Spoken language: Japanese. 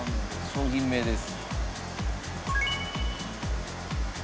商品名です。